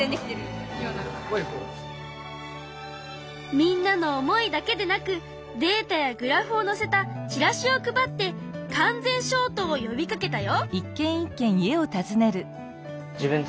みんなの思いだけでなくデータやグラフをのせたチラシを配って完全消灯を呼びかけたよ。